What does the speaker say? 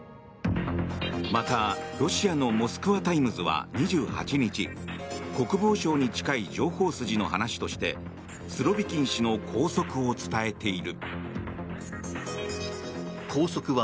また、ロシアのモスクワ・タイムズは２８日国防省に近い情報筋の話としてスロビキン氏の拘束を伝えている。